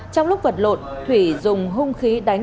trong lúc vật lộn thủy dùng hung khí đánh